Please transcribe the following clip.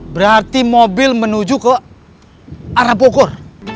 berarti mobil menuju ke arah bogor